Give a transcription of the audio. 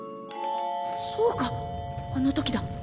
そうかあの時だ！